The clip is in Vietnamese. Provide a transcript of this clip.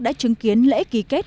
đã chứng kiến lễ ký kết